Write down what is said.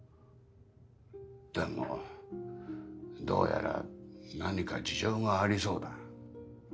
だがどうやら何か事情がありそうだ。